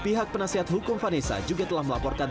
pihak penasihat hukum vanessa juga telah melaporkan